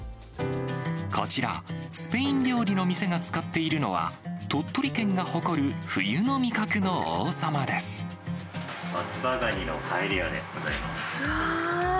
こちら、スペイン料理の店が使っているのは、松葉がにのパエリアでございうわー。